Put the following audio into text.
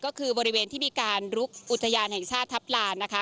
ก็คือบริเวณที่มีการลุกอุทยานแห่งชาติทัพลานนะคะ